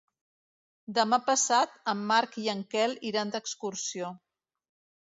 Demà passat en Marc i en Quel iran d'excursió.